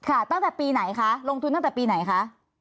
ตั้งแต่ปีไหนคะลงทุนตั้งแต่ปีไหนคะ